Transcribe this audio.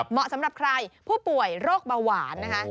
เหมาะสำหรับใครผู้ป่วยโรคเบาหวานนะคะ